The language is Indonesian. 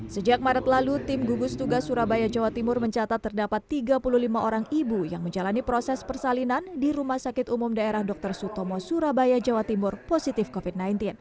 sejak maret lalu tim gugus tugas surabaya jawa timur mencatat terdapat tiga puluh lima orang ibu yang menjalani proses persalinan di rsud surabaya jawa timur positif covid sembilan belas